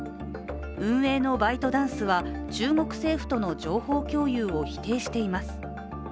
運営のバイトダンスは中国政府との情報共有を否定しています。